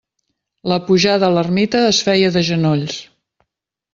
La pujada a l'ermita es feia de genolls.